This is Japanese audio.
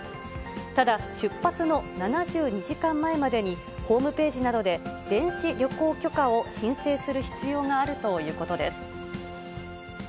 ただ、出発の７２時間前までに、ホームページなどで電子旅行許可を申請する必要があるということです。